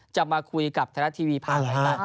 จะมาคุยกับธรรมดาทีวีภาระ